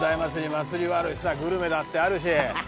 祭りはあるしさグルメだってあるし。